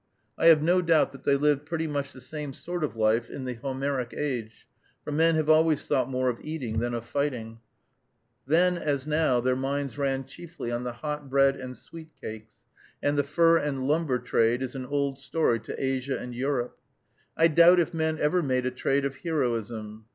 I have no doubt that they lived pretty much the same sort of life in the Homeric age, for men have always thought more of eating than of fighting; then, as now, their minds ran chiefly on the "hot bread and sweet cakes;" and the fur and lumber trade is an old story to Asia and Europe. I doubt if men ever made a trade of heroism.